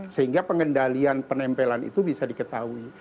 sehingga pengendalian penempelan itu bisa diketahui